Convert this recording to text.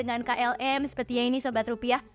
dengan klm sepertinya ini sobat rupiah